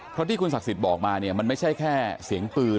เพราะที่คุณศักดิ์สิทธิ์บอกมาเนี่ยมันไม่ใช่แค่เสียงปืน